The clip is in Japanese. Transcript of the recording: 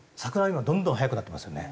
今どんどん早くなってますよね。